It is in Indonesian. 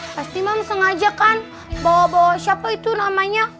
pasti mama sengaja kan bawa bawa siapa itu namanya